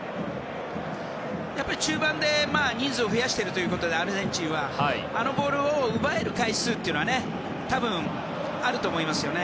やっぱり中盤で人数を増やしているということでアルゼンチンはあのボールを奪える回数は多分、あると思いますよね。